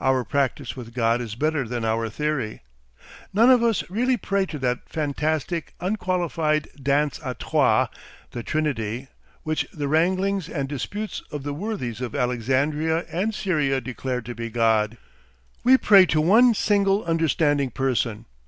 Our practice with God is better than our theory. None of us really pray to that fantastic, unqualified danse a trois, the Trinity, which the wranglings and disputes of the worthies of Alexandria and Syria declared to be God. We pray to one single understanding person.